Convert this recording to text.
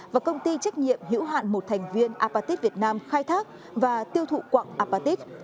và công ty trách nhiệm hữu hạn một thành viên apatit việt nam khai thác và tiêu thụ quạng apatit